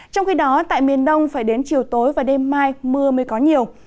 trong khi đó tại miền đông phải đến chiều tối và đêm mai mưa mới có nhiều